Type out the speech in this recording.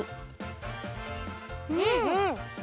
うん！